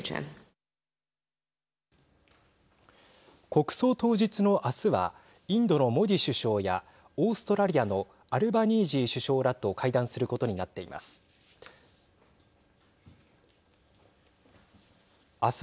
国葬当日の明日はインドのモディ首相やオーストラリアのアルバニージー首相らと会談することになってます。